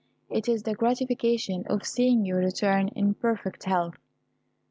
It is the gratification of seeing you return in perfect health."